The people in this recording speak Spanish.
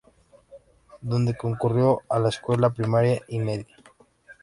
Donde concurrió a la escuela primaria y media.